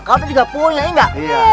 kamu juga punya